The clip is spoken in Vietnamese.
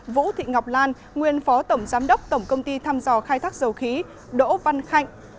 vũ thị ngọc lan nguyên phó tổng giám đốc tổng công ty thăm dò khai thác dầu khí đỗ văn khạnh